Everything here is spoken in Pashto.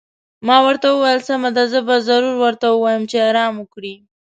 ما ورته وویل: سمه ده، زه به ضرور ورته ووایم چې ارام وکړي.